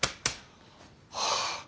はあ。